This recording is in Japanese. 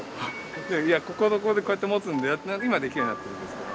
いやこうやって持つんだよって今できるようになってるんですけど。